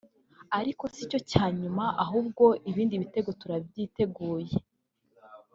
ariko sicyo cya nyuma ahubwo ibindi bitego turabyiteguye